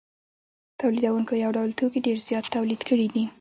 تولیدونکو یو ډول توکي ډېر زیات تولید کړي دي